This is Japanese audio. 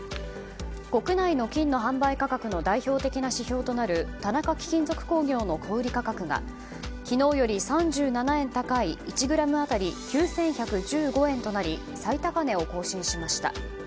国内の金の販売価格の代表的な指標となる田中貴金属工業の小売価格が昨日より３７円高い１ｇ当たり９１１５円となり最高値を更新しました。